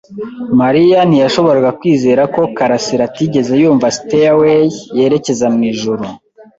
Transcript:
Mariya ntiyashoboraga kwizera ko karasira atigeze yumva Stairway yerekeza mwijuru.